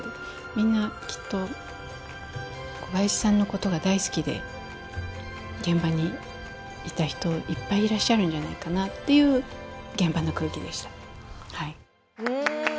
みんなきっと、小林さんのことが大好きで現場にいた人いっぱいいらっしゃるんじゃないかなっていう現場の空気でした。